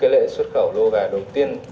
lễ xuất khẩu lô gà đầu tiên